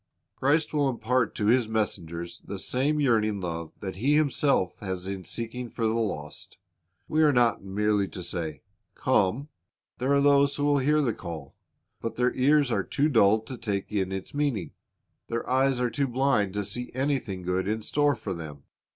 "* Christ will impart to His messengers the same yearning love that He Himself has in seeking for the lost. We are not merely to say, "Come." There are those who hear the call, but their ears are too dull to take in its meaning. Their eyes are too blind to see anything good in store for them.